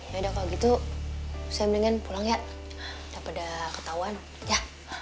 yaudah kalau gitu saya mendingan pulang yah dapet ada ketahuan yah